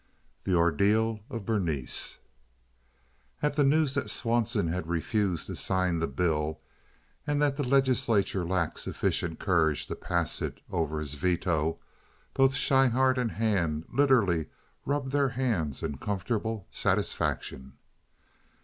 The Ordeal of Berenice At the news that Swanson had refused to sign the bill and that the legislature lacked sufficient courage to pass it over his veto both Schryhart and Hand literally rubbed their hands in comfortable satisfaction.